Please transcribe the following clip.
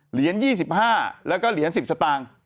เหรียญ๒๕แล้วก็เหรียญ๑๐สตางค์